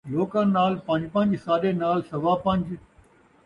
لوکاں نال پن٘ج پن٘ج ، ساݙے نال سوا پن٘ج